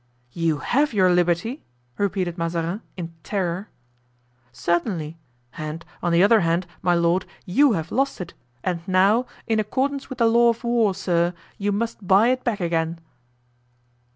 "You have your liberty?" repeated Mazarin, in terror. "Certainly; and on the other hand, my lord, you have lost it, and now, in accordance with the law of war, sir, you must buy it back again."